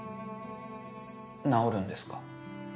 治るんですか？